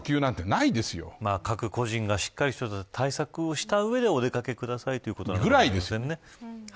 各個人がしっかりとした対策をした上でお出掛けくださいということかもしれませんね。